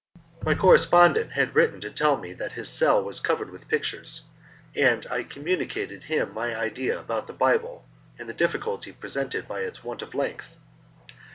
My correspondent had written to tell me that his cell was covered with pictures, and I had communicated him my idea about the Bible and the difficulty presented by its want of length.